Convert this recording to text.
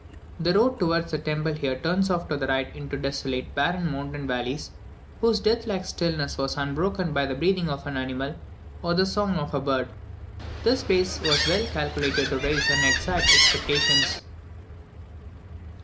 The road towards the temples here turns off to the right into desolate, barren mountain valleys, whose death like stillness was unbroken by the breathing of an animal, or the song of a bird. This place was well calculated to raise and excite expectations.